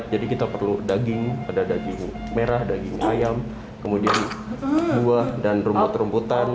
jadi kita perlu daging ada daging merah daging ayam kemudian buah dan rumut rumutan